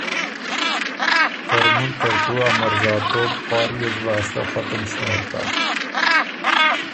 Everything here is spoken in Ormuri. ترمُن ترتُو ا مرزاتوب فا يي ریوز لاسته ختُم شمېر کۀ۔